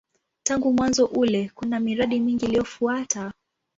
Tangu mwanzo ule kuna miradi mingi iliyofuata.